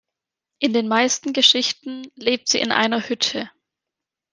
In den meisten Geschichten lebt sie in einer Hütte.